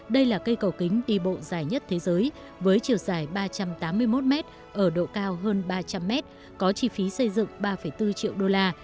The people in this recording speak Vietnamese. đây là cây cầu kính đi bộ dài nhất thế giới với chiều dài ba trăm tám mươi một m ở độ cao hơn ba trăm linh mét có chi phí xây dựng ba bốn triệu đô la